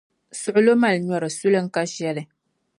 suɣulo mali nyɔri, suli n-ka shɛli.